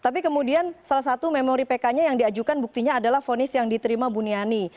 tapi kemudian salah satu memori pk nya yang diajukan buktinya adalah fonis yang diterima buniani